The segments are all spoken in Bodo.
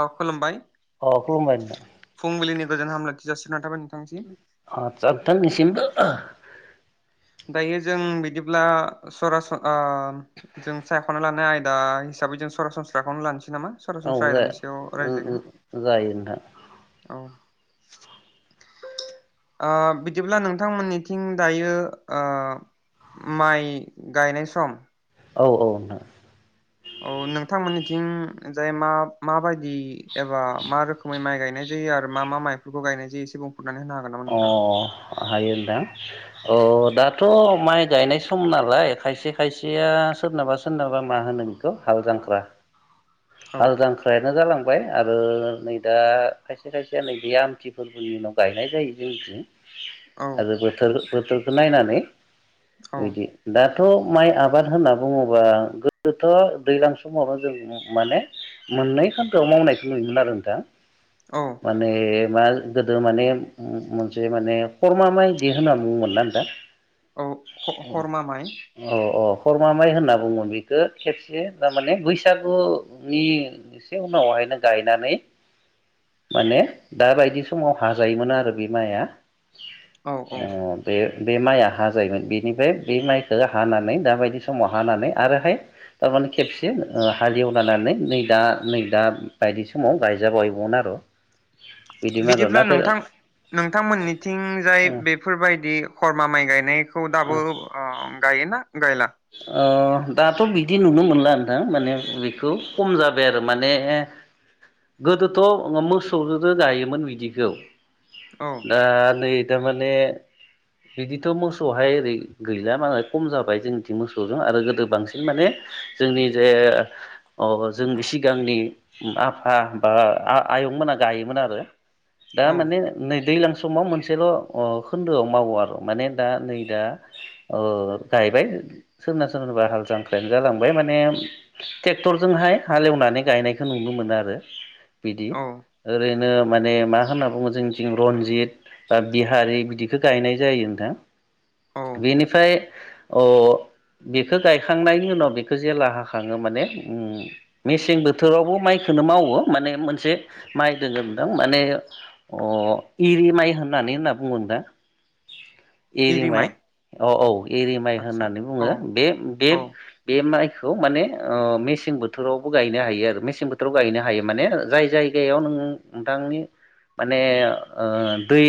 औ खुलुमबाय । अ खुलुमबाय नोंथां। फुंबिलिनि गोजोन हामलायथि जासिनाय थाबाय नों आ [unintelligible] निसिम [unintelligible] दायो जों बिदिब्ला सरासन ओ जों सायख'ना लानाय आयदा हिसाबै जों सरासनस्राखौनो लानोसै नामा औ सरासनस्रा आयदानि सायाव [unintelligible] रायज्लायगोन उम-उम जायो नोंथां औ ओ बिदिब्ला नोंथांमोननिथिं दायो ओ माइ गायनाय सम औ-औ नो अ नोंथांमोननिथिं जाय मा माबायदि दि एबा मा रोखोमै माइ गाय गायनाय जायो आरो मा मा माइफोरखौ गायनाय जायो एसे बुं अ हायो दा अ दाथ' माइ गायनाय सम नालाय खायसे खायसेया सोरनाबा सोरनाबा मा होनो बेखौ हाल जांख्रा औ हाल जांख्रायानो जालां बाय आरो नै दा खायसे खायसे नै बे आमथि फोरबोनि उनाव गायनाय जायो। औ [unintelligible] आरो बोथोर बोथ बेखौ नायनानै औ बिदि दाथ' माइ आबाद आबाद होनना बुङोबा गोदोथ' दैज्लां समावनो जों माने मोननै खान्दोआव मावनायखौ नुयोमोन आरो नोंथां। औ माने मा गोदो माने मोनसे माने खरमा माइदि होनना बुङोमोन ना नोंथां औ खरमा माइ अह अह खरमा माइ होनना बुङोमोन बेखौ खेबसे थारमाने बैसागुनि एसे उनावहायनो गायनानै माने दा बायदि समाव हाजायोमोन आरो बि माया औ औ ओ दे बे माइया हाजायोमोन बेनिफ्राय बे माइखौ हानानै दा बायदि समाव हानानै आरोहाय थारमाने खेबसे ओ हालेवलानानै नै दा नै दा बायदि समाव गायजाबावायगौमोन आरो बिदिमोन आरो बिदिब्ला नाथाय नोंथां नोंथांमोननिथिंजाय ओ बेफोरबायदि खरमा माइ गायनाय खौ दाबो ओ गायोना गायला अह दाथ' बिदि नुनो मोनला नोंथां माने बेखौ खम जाबाय आरो माने गोदोथ' मोसौजोंनो गायोमोन बिदिखौ औ दा नै थारमाने बिदिथ' मोसौहाय ओरै गैला मालाय खम जाबाय जोंनि मोसौजों आरो गोदो बांसिन माने जोंनि बे अह जोंनि सिगांनि आफा बा आयंमोना गायोमोन आरो दा औ माने नै दैलां समाव मोनसेल' ओ खोन्दोआव मावो आरो माने दा नै दा ओ गायबाय सोरना सोरनाबा हाल जांख्रायानो जालांबाय माने ट्रेक्टरजोंहाय हालेवनानै गायनायखौ नुनो मोनो आरो बिदि औ ओरै नो माने मा होन्ना बुङो जोंथिजों रनजित बा बिहारि बिदिखौ गायनाय जायो नोंथां। औ बेनिफ्राय औ बेखौ गायखांनायनि उनाव बेखौ जेला हाखङो माने ओम मेसें बोथोरावबो माइखौनो मावो माने मोनसे माइ दङोनदां माने अह इरि माइ होननानै होनना बुङो दा एरि माइ औ औ एरि माइ आतसा होननानै औ बुङो। बे बे औ बे माइ खौ माने ओ मेसें बोथोरावबो गायनो हायो आरो मेसें बोथोराव गायनो हायो माने जाय जायगायाव नों नोंथांनि माने ओ दै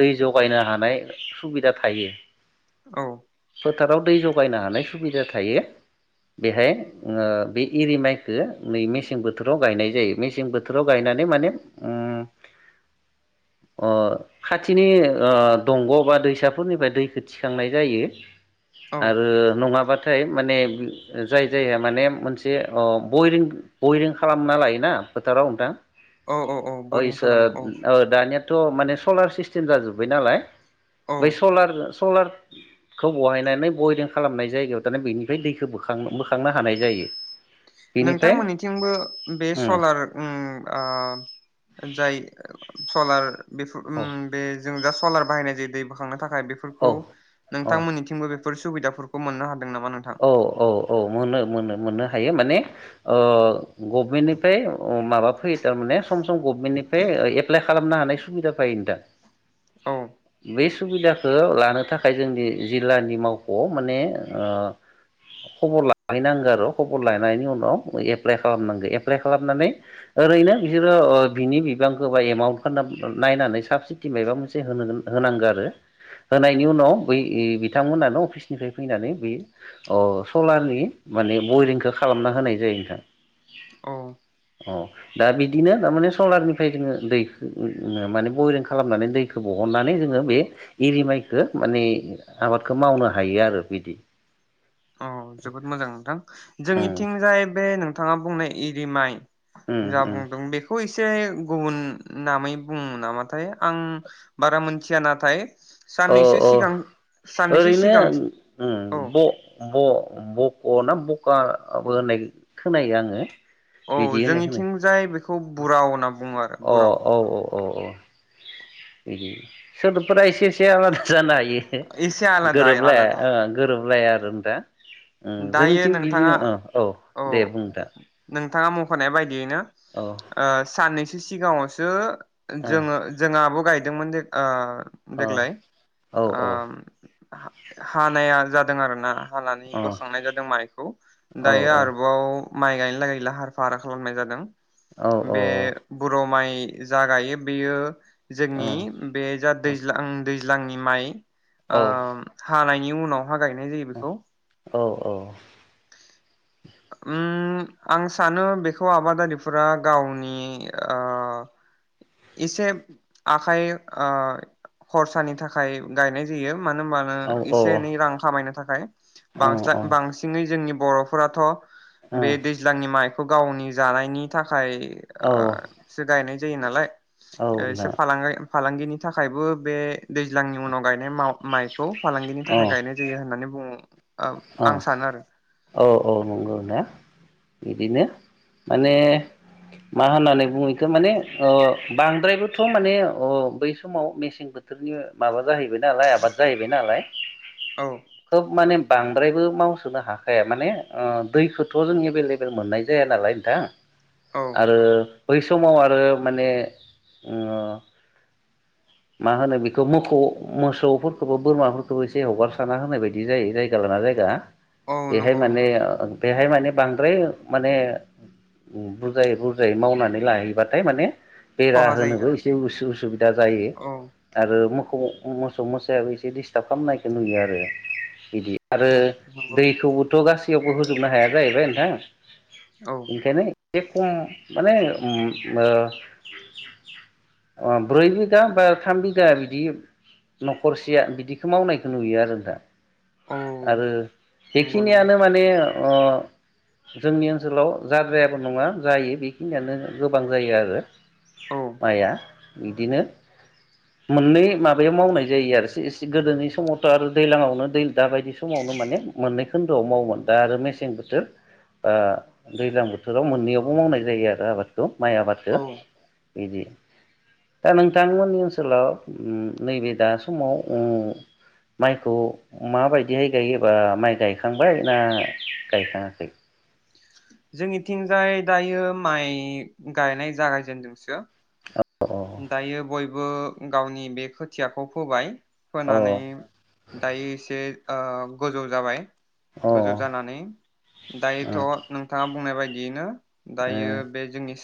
दै जगायनो हानाय सुबिदा थायो। औ फोथाराव दै जगायनो हा नाय सुबिदा थायो बेहाय ओ बे एरि माइखौ नै मेसें बोथोराव गायनाय जायो मेसें बोथोराव गायनानै माने ओ आं खाथिनि ओ दंग' बा दैसाफोरनिफ्राय दैखौ थिखांनाय जायो। औ आरो माबाथाय माने जाय जायहा माने मोनसे अ बयरिं खालामना लायोना फोथाराव नोंथां। औ औ औ अ बरिं इसो खालामो औ अ दानियाथ' माने सलार सिस्टेम जाजोब्बाय नालाय औ बै स'लार सलार खौ बहायनानै बाहायदों खालामनाय जायगायाव दाना बेनिफ्राय दैखौ बोखां बोखांनो हानाय जायो। बेनिफ्राय नोंथांमोननिथिंबो बे उम सलार ओ आ जाय सलार बेखौ ओ औ बे जों दा सलार बाहायनाय जायो दै बोखांनो थाखाय। औ बेफोरखौ औ नोंथांमोननिथिंबो बेफोर सुबिदाफोरखौ मोननो हायो। औ औ औ मोनो मोनो मोनो। थायो माने ओ गभमेन्टनिफ्राय माबा फैयो थारमाने सम सम गभमेन्टनिफ्राय एप्लाइ खालामनो हानाय सुबिदा फायो नोंथां। औ बैस सुबिदाखौ लानो थाखाय जोंनि जिल्लानि मावख'आव माने ओ खबर लाहनांगौ आरो खबर लायानायनायनि उनाव एप्लाइ खालामनांगौ एप्लाइ खालामनानै ओरैनो बिसोरो ओ बिनि बिबांखौ बा एमाउन्टखौ अ सलारनि माने बयरिंखौ खालामना होनाय जायो अ औ नोंथां अ दा बिदिनो थारमाने सलारनिफ्राय जोङो दै माने बयरिं खालामनानै दैखौ बहननानै जोङो बे एरि माइखौ माने आबादखौ मावनो हायो आरो बिदि। औ जोबोद मोजां नोंथां उम जोंनिथिंजाय बे नोंथाङा बुंनाय एरिमाइ। उम जा उम बुंदों बेखौ। एसे गुबुन नामै बुङो नामाथाय आं बारा मोनथिया नाथाय। औ साननैसो औ सिगां साननैसो सिगां ओरैनो औ ब ब बक‌ना बका होननाय खोनायो आंङो औ जोंनिथिंजाय बेखौ बुराव होनना बुंङो आरो अ बुराव औ औ [inaudible] अ अ बिदि सोदोबफोरा एसे एसे आलादा जानाय एसे एसे आलादा गोरोबलाय आलादा गोरोब लाया आरो दा ओ दायो जोंनिथिं बिदिनो नोंथाङा औ औ दे बुं दा खनाय बायदि बिनो ओ साननैसो सिगाङाव दो जोङो जोंङो आब गायदों मोन जे ओ देग्लाय ओ औ आ हानाया जादों आरो ना हा अ औ बोखांनाय जादों माइखौ औ दायो आरोबाव माइ गायनो लागै लाहार फाहार खालामनाय जादों। बे औ बर माइ जागायो बेयो जोंनि बे जा दैज्लां दै दैज्लांनि माइ ओ हानाय नि उनाव मा गायनाय जायो बेखौ अ उम आं सानो बेखौ आबादारिफोरा गावनि ओ एसे आखाइ ओ खरसानि थाखाय गायनाय जायो। मानो होनबानो एसे एनै रां खामायनो थाखाय [unintelligible] बां बांसिनै जोंनि बरफोराथ बे दैज्लांनि माइक गावनि जानायनि थाखाय थाखाय ओ [unintelligible] जायो नालाय एसे फालांगि फालांगिनि थाखायबो बे दैज्लांनि उनाव गायनो माइखौ फालांगिनि थाखाय गायनाय जायो होननानै बुङो। ओ औ आं सानो आरो औ औ नंगौ। बिदिनो माने मा होननानै बुङैखो माने ओ बांद्रायबोथ' माने अ बै समाव मेसें बोथोरनि माबा जाहैबाय नालाय आबाद जाहैबाय नालाय औ खोब माने बांद्रायबो मावसोनो हाखाया माने ओ दैखौथ' जों एभेलेबेल मोननाय जाया नालाय नोंथां औ आरो बै समाव आरो माने ओ मा होनो बेखौ मोसौ- मोसौफोरखौबो बोरमाफोरखौबो एसे हगारसाना होनाय बायदि जायो जाय गा लाना जायगा औ बेहाय नंगौ माने नंगौ बेहाय माने बांद्राय माने बुरजायै-बुरजायै मावनानै लाहैबाथाय माने बेरा खहा जायो होनोबो आरो एसे उसुबिदा जायो औ आरो। मोसौ मोसायाबो एसे डिस्टार्ब खालामनायखौ नुयो आरो बिदि आरो नंगौ दैखौबोथ' गासैयावबो होजोबनो हाया जाहैबाय औ [unintelligible] बेखायनो एसे खम माने ब्रै बिघा बा थाम बिघा बिदि न'खरसेया बिदिखौ मावनायखौ नुयो आरो दा। औ आरो नंगौ नंगौ बेखिनियानो माने अ जोंनि ओनसोलाव जाद्रायाबो नङा जायो बेखिनियानो गोबां जायो आरो औ माइआ बिदिनो मोननै माबायाव मावनाय जायो आरो एसे गोदोनि समावथ' आरो दैलांयावनो दै दाबायदि समावनो माने मोननै खोन्दोआव मावोमोन दा आरो मेसें बोथोर आ दैज्लां बोथोराव मोननैयावबो मावनाय जायो आरो आबादखौ। माइ आबादखौ औ बिदि। दा नोंथांमोननि ओनसोलाव नैबे दा समाव माइखौ माबायदिहाय गायोबा माइ गायखांबाय ना गायखाङाखै? जोंनिथिंजाय दायो माइ गायनाय जागायजेनदोंसो। अ दायो बयबो गावनि बे खोथियाखौ फोबाय। फोनानै दायो एसे गोजौ जाबाय। अ गोजौ जानानै दायोथ' नोंथाङा बुंनाय बायदि दिनो अ दायो बे जोंनि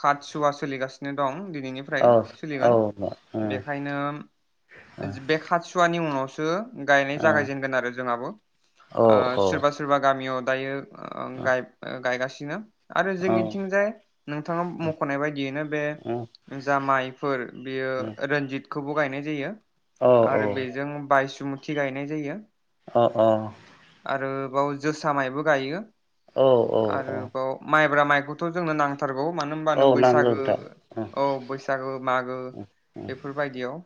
खात सुवा सोलिगासिनो दं दिनै ओमफ्राय औ सोलिगोन औ बेखायनो बे खाथसुवानि उनावसो दो गायनाय औ जागायजेनगोन आरो जोंहाबो औ औ सोरबा सोरबा गामियाव दायो ओं औ ओं गाय गायगासि दिनो आरो जोंनिथिंजाय नोंथाङा मखनाय बायदियैनो बे जा माइफोर बेयो रनजित खौबो गायनाय जायो औ आरो बेजों बायस इसमुथि गायनाय जायो अ अ ओ बाव जोसा माइबो गायो औ औ औ बरा माइखौथ जोंनो नां थारगौ मानो होनबानो नांगौ बैसागो नोंथां औ बैसागो मागो बेफोरबायदियाव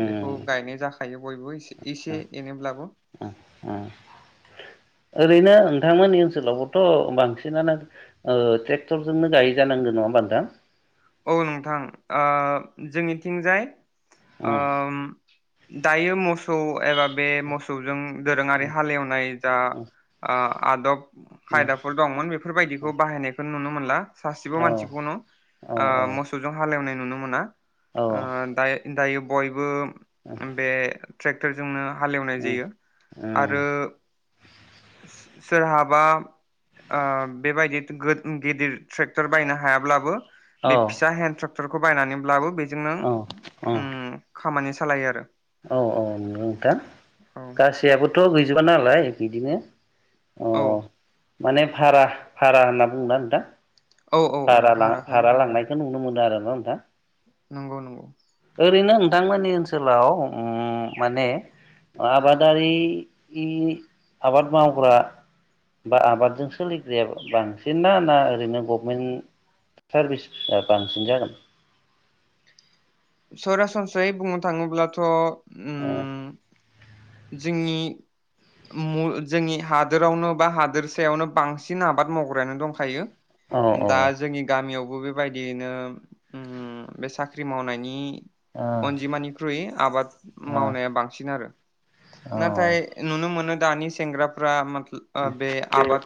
उम बेखौ गायनाय जाखायो बयबो इसे उम एनैब्लाबो उम ओरैनो नोंथांमोननि ओनसोलावबोथ बांसिनानो ट्रेक्टरजोंनो गायो जानांगौ नङा होनबा नोंथां औ नोंथां आ जोंनिथिंजाय उम ओम दायो मोसौ एबा बे मोसौजों दोरोङारि हालेवनाय जा उम आ आदब उम खायदाफोर दंमोन बेफोरबायदिखौ बाहायनायखौ नुनो मोन मोनला सासेबो औ मानसिखौनो औ मोसौजों हालेवनाय नुनो मोना औ आ दायो दायो बयबो बे ट्रेक ट्रेक्टरजोंनो हालेवनाय उम जायो आरो [inaudible] सोरहाबा बेबायदि ओ गिदिर ट्रेक्टर बायनो हायाब्लाबो औ बे फिसा हेन्द ट्रेक टरखौ बायनानैब्लाबो बेजों नो औ औ उम खामानि सालायो आरो औ औ नोंथां औ गा-गासैयाबोथ' गैजो बा नालाय बिदिनो अ औ माने भारा भारा होनना बुंङोना नोंथां? औ औ औ भारा भाराखौनो भारा बुंजागोन लांनायखौ नुनो मोनो आरो [unintelligible] नंगौ नंगौ। ओरैनो नोंथांमोननि ओनसोलाव उम माने आबादारि इ आबाद मावग्रा बा आबादजों सोलिग्राया बा-बांसिनना ना ओरैनो गभमेन्ट सारभिसआ बांसिन जागोन? सरासनस्रायै बुंनो थाङोब्लाथ' उम जोंनि मु जोंनि हादोरावनो बा हादोरसायावनो बांसिन आबाद मावग्रायानो दंखायो। ओ औ औ दा जोंनि गामियावबो बे बायदियैनो उम बे साख्रि मावनायनि नि ओ अनजिमानिख्रुय आबाद मावनाया बांसिन आरो नाथाय नुनो मोनो दानि सेंग्राफ्रा मा ओ बे आबाद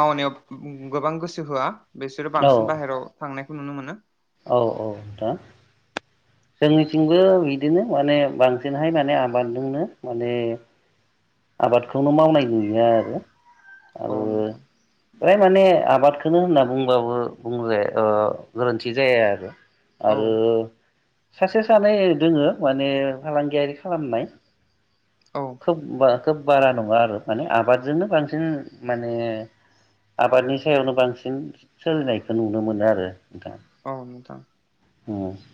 मावनायाव गोबां गोसो होआ बिसोरो औ बांसिन बाहेराव थांनाय खौ नुनो मोनो । औ औ नोंथां जोंनिथिंबो बिदिनो माने बांसिनहाय माने आबादजोंनो माने आबादखौनो मावनाय नुयो आरो ओ औ नोंथां प्राय माने आबाद खोनो होनना बुंबाबो बुंजाया ओ गोरोन्थि जाया आरो औ आरो सासे सानै दोङो माने फालांगियारि खालामनाय। औ खोब बा खोब बारा नङा आरो माने आबादजोंनो बांसिन माने आबादनि सायावनो बांसिन सोलिनायखो नुनो मोनो आरो नोंथां। औ नोंथां। ओं ।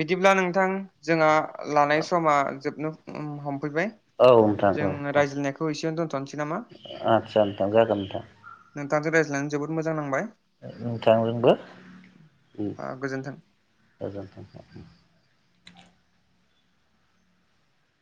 बिदिब्ला नोंथां जोंहा लानाय समा जोबनो उम हम औ नोंथां [unintelligible] जों औ औ रायज्लायनाखौ एसेआवनो दोनथनोसै नामा आदसा नोंथां जागोन नोंथां [unintelligible] ज्लायनानै जोबोद मोजां नांबाय । नोंथांजोंबो ओम ओ गोजोन्थों गोजोनथों । [inaudible]